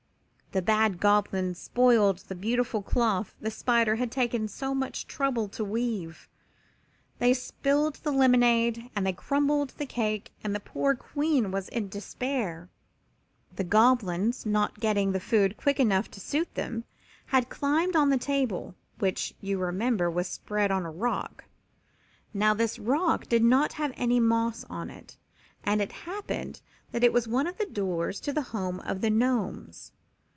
The bad Goblins spoiled the beautiful cloth the spider had taken so much trouble to weave; they spilled the lemonade and they crumbled the cake and the poor Queen was in despair. The Goblins, not getting the food quick enough to suit them, had climbed on the table, which, you remember, was spread on a rock. Now, this rock did not have any moss on it, and it happened that it was one of the doors to the home of the Gnomes.